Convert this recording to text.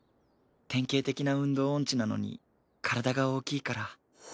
典型的な運動音痴なのに体が大きいから。